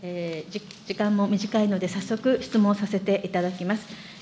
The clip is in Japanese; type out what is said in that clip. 時間も短いので、早速質問させていただきます。